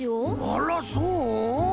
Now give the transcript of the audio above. あらそう？